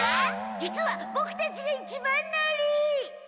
実はボクたちが一番乗り！